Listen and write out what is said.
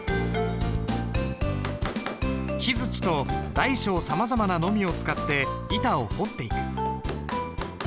木づちと大小さまざまなのみを使って板を彫っていく。